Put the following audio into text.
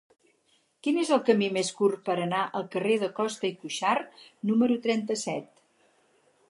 Quin és el camí més curt per anar al carrer de Costa i Cuxart número trenta-set?